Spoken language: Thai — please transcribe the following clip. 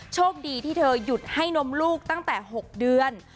โชคดีที่เธอหยุดให้นมลูกตั้งแต่๖เดือน